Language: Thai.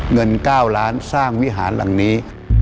เงิน๙ล้านสร้างวิหารหลังนี้